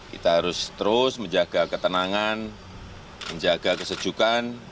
kita harus terus menjaga ketenangan menjaga kesejukan